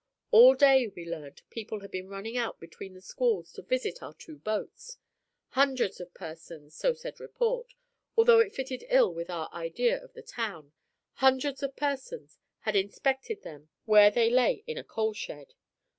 All day, we learned, people had been running out between the squalls to visit our two boats. Hundreds of persons, so said report, although it fitted ill with our idea of the town—hundreds of persons had inspected them where they lay in a coal shed.